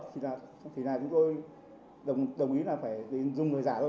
thì là chúng tôi đồng ý là phải dùng người giả thôi